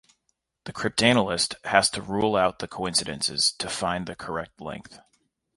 The cryptanalyst has to rule out the coincidences to find the correct length.